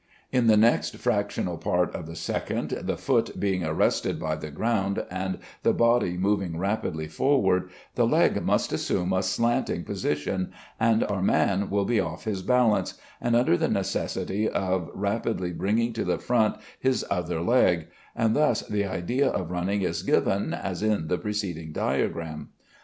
In the next fractional part of the second, the foot being arrested by the ground, and the body moving rapidly forward, the leg must assume a slanting position, and our man will be off his balance, and under the necessity of rapidly bringing to the front his other leg; and thus the idea of running is given, as in the preceding diagram.